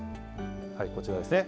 こちらですね。